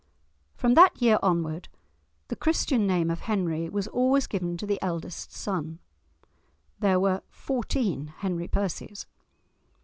From that year onward, the the Christian name of Henry was always given to the eldest son; there were fourteen Henry Percies!